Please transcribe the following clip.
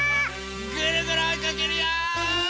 ぐるぐるおいかけるよ！